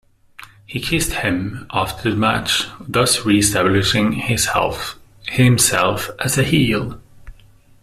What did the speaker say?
He kissed Hemme after the match, thus re-establishing himself as a heel.